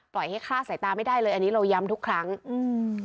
ให้ฆ่าสายตาไม่ได้เลยอันนี้เราย้ำทุกครั้งอืม